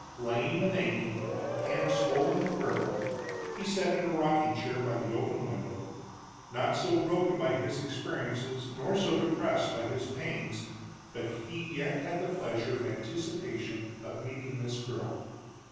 Lame and aching, hands swollen and purple, he sat in a rocking chair by the open window, not so broken by his experiences nor so depressed by his pains but he yet had the pleasure of anticipation in meeting this girl.